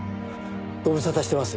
ご無沙汰してます。